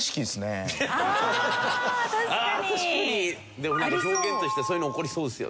でもなんか表現としてそういうの起こりそうですよね。